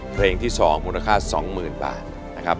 เพลงที่๒มูลค่า๒๐๐๐บาทนะครับ